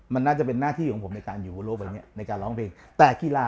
มันน่าจะเป็นหน้าที่ของผมในการอยู่ในการร้องเพลงแต่กีฬา